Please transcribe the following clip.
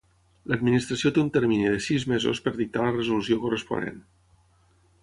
L'Administració té un termini de sis mesos per dictar la resolució corresponent.